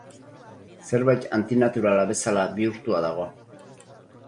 Zerbait antinaturala bezala bihurtua dago.